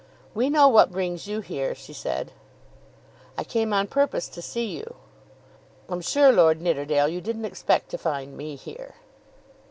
"We know what brings you here," she said. "I came on purpose to see you." "I'm sure, Lord Nidderdale, you didn't expect to find me here."